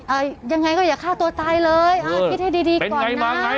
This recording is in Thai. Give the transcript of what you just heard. เอ่ยยังไงก็อย่าฆ่าตัวตายเลยอ่าคิดให้ดีดีก่อนนะเป็นไงมาไง